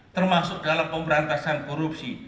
termasuk dalam pemberantasan korupsi